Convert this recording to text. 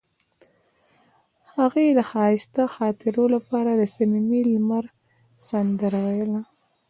هغې د ښایسته خاطرو لپاره د صمیمي لمر سندره ویله.